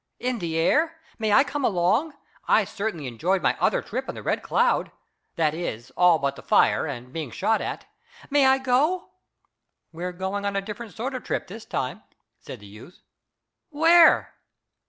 "In the air? May I go along again? I certainly enjoyed my other trip in the Red Cloud. That is, all but the fire and being shot at. May I go?" "We're going on a different sort of trip this time," said the youth. "Where?"